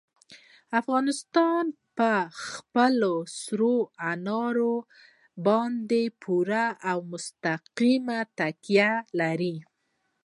افغانستان په خپلو سرو انارو باندې پوره او مستقیمه تکیه لري.